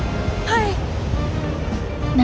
はい。